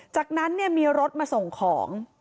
จากนั้นมีรถมาส่งของ